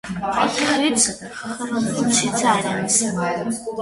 Արկղից խռմփոցի ձայն է լսվում։